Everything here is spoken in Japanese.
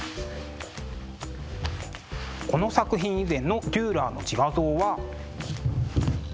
この作品以前のデューラーの自画像は。